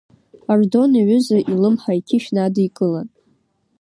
Ардон иҩыза илымҳа иқьышә надикылан.